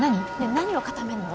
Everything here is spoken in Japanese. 何を固めんの？